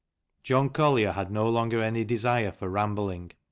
John Collier had no longer any desire for rambling.